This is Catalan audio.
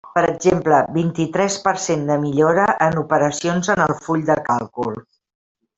Per exemple, vint-i-tres per cent de millora en operacions en el full de càlcul.